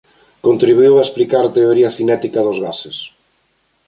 Contribuíu a explicar a teoría cinética dos gases.